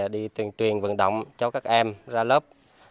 đi tuyên truyền vận động cho các em ra lớp